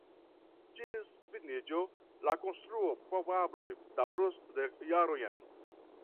Ĝis finiĝo la konstruo probable daŭros dek jarojn.